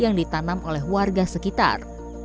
yang ditanam oleh warga sekitar